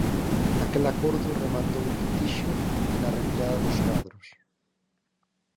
Aquel acordo rematou en litixio e na retirada dos cadros.